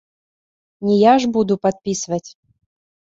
Не я ж буду падпісваць.